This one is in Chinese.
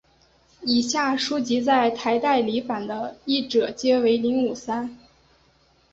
以下书籍在台代理版的译者皆为林武三。